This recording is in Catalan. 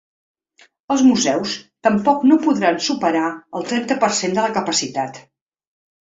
Els museus tampoc no podran superar el trenta per cent de la capacitat.